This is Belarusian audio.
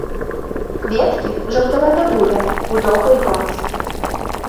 Кветкі жаўтавата-бурыя, у доўгай гронцы.